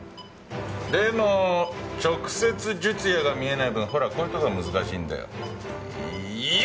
でも直接術野が見えない分ほらこういうとこが難しいんだよ。